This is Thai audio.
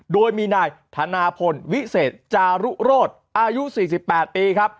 โดยมีนายธนาพลวิเศษจารุโรศอายุ๔๘ปีครับ